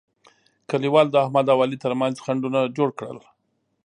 کلیوالو د احمد او علي ترمنځ خنډونه جوړ کړل.